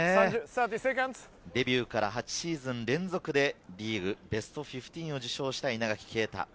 デビューから８シーズン連続でリーグベスト１５を受賞した稲垣啓太。